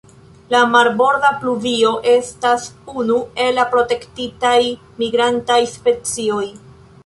La Marborda pluvio estas unu el la protektitaj migrantaj specioj.